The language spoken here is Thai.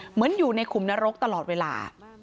เหมือนอยู่ในขุมนรกตลอดเวลา